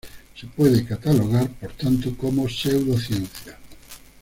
Se puede catalogar, por tanto, como pseudociencia.